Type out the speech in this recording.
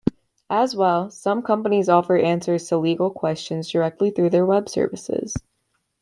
As well, some companies offer answers to legal questions directly through their web services.